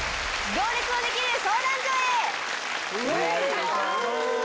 『行列のできる相談所』へ！